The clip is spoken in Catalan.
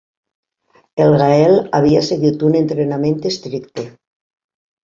El Gael havia seguit un entrenament estricte.